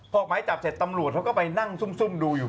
ออกหมายจับเสร็จตำรวจเขาก็ไปนั่งซุ่มดูอยู่